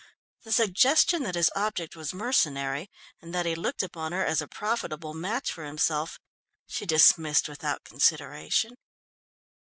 The suggestion that his object was mercenary, and that he looked upon her as a profitable match for himself, she dismissed without consideration.